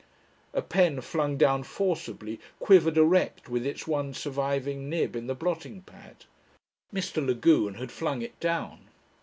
A pen, flung down forcibly, quivered erect with its one surviving nib in the blotting pad. Mr. Lagune had flung it down.